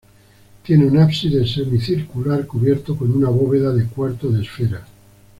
Tiene un ábside semicircular cubierto con una bóveda de cuarto de esfera.